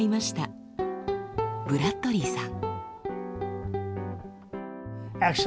ブラッドリーさん。